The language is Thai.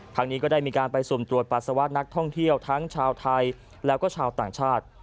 ทางนี้ก็ได้มีการไปสุ่มตรวจปัสสาวะนักท่องเที่ยวทั้งชาวไทยแล้วก็ชาวต่างชาติ